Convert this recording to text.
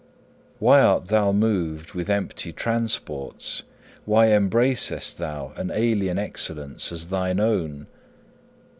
Why art thou moved with empty transports? why embracest thou an alien excellence as thine own?